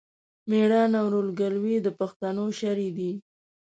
مېړانه او ورورګلوي د پښتنو شری دی.